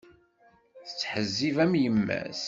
Tettḥezzib am yemma-s.